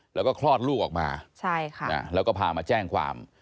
แล้วก็คลอดลูกออกมาแล้วก็พามาแจ้งความ